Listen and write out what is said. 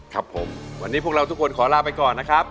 ครับผมวันนี้พวกเราทุกคนขอลาไปก่อนนะครับ